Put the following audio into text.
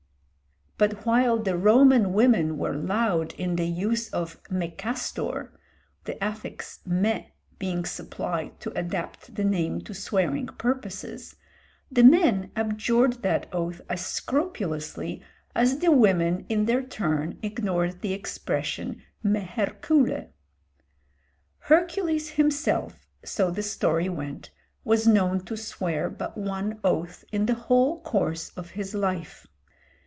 But while the Roman women were loud in the use of "Mecastor" the affix me being supplied to adapt the name to swearing purposes, the men abjured that oath as scrupulously as the women in their turn ignored the expression "Mehercule." Hercules himself, so the story went, was known to swear but one oath in the whole course of his life.